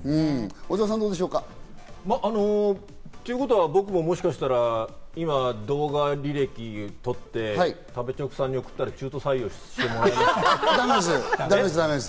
小澤さん、いかがでしょうか？ということは僕ももしかしたら履歴動画を撮って、食べチョクさんに送ったら中途採用してもらえる？